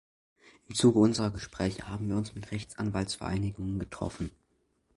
Im Zuge unserer Gespräche haben wir uns mit Rechtsanwaltsvereinigungen getroffen.